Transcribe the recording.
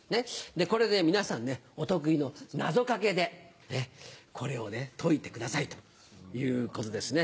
これで皆さんお得意の謎掛けでこれを解いてくださいということですね。